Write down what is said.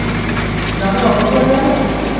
দাদু আউট হয়ে গেল!